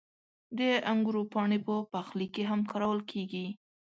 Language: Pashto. • د انګورو پاڼې په پخلي کې هم کارول کېږي.